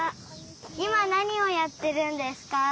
いまなにをやってるんですか？